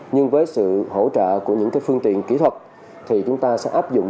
nhưng với sự hỗ trợ của những phương tiện kỹ thuật thì chúng ta sẽ áp dụng